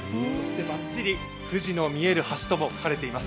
ばっちり富士の見える橋とも書かれています。